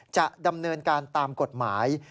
จะดำเนินการตามกฎหมาย